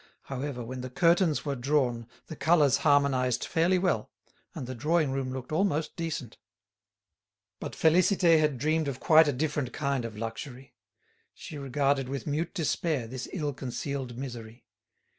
However, when the curtains were drawn the colours harmonised fairly well and the drawing room looked almost decent. But Félicité had dreamed of quite a different kind of luxury. She regarded with mute despair this ill concealed misery.